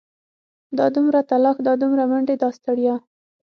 دا دومره تلاښ دا دومره منډې دا ستړيا.